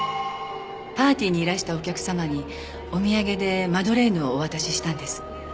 パーティーにいらしたお客様にお土産でマドレーヌをお渡ししたんです。